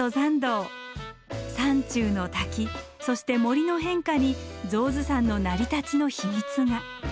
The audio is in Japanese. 山中の滝そして森の変化に象頭山の成り立ちの秘密が。